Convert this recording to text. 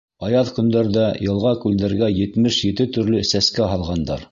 Аяҙ көндәрҙә йылға-күлдәргә етмеш ете төрлө сәскә һалғандар.